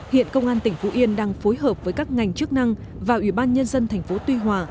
hiện công an tỉnh phú yên đang phối hợp với các ngành chức năng và ubnd thành phố tuy hòa